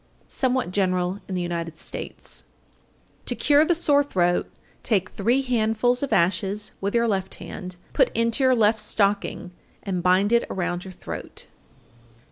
Somewhat general in the United States. 870. To cure the sore throat, take three handfuls of ashes with your left hand, put into your left stocking, and bind it around your throat.